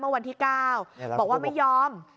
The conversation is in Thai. เมื่อวันที่๙บอกว่าไม่ยอม